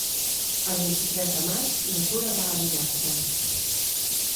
El vint-i-tres de maig na Tura va a Vinaixa.